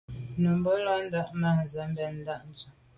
Nǔmmbə̂ nə làʼdə̌ mα̂nzə mɛ̀n tâ Dʉ̌’.